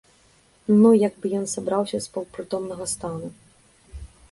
Ну, як бы ён сабраўся з паўпрытомнага стану.